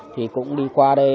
thì cũng đi qua đây